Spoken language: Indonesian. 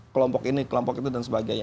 kelompok ini kelompok itu dan sebagainya